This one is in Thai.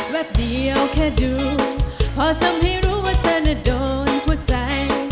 แป๊บเดียวแค่ดูพอทำให้รู้ว่าเธอน่ะโดนหัวใจ